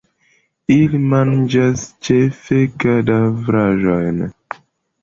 Ili manĝas ĉefe kadavraĵojn.